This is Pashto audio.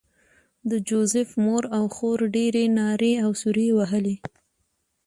د جوزف مور او خور ډېرې نارې او سورې وهلې